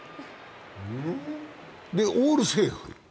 オールセーフ。